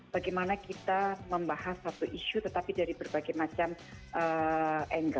bagaimana kita membahas satu isu tetapi dari berbagai macam angle